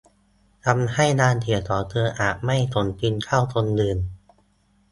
ทำให้งานเขียนของเธออาจไม่สมจริงเท่าของคนอื่น